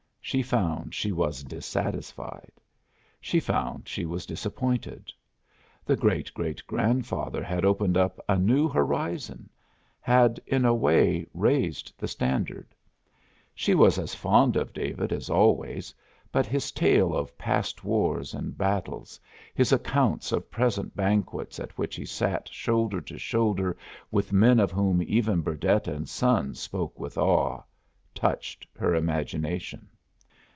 She found she was dissatisfied. She found she was disappointed. The great great grandfather had opened up a new horizon had, in a way, raised the standard. She was as fond of David as always, but his tales of past wars and battles, his accounts of present banquets at which he sat shoulder to shoulder with men of whom even Burdett and Sons spoke with awe, touched her imagination.